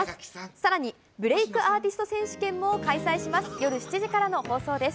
さらにブレイクアーティスト選手権も開催します。